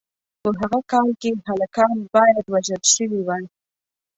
په هغه کال کې هلکان باید وژل شوي وای.